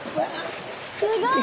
すごい！